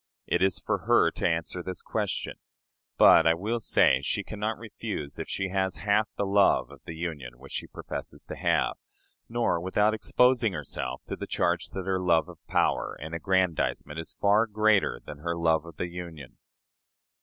It is for her to answer this question. But, I will say, she can not refuse if she has half the love of the Union which she professes to have, nor without exposing herself to the charge that her love of power and aggrandizement is far greater than her love of the Union."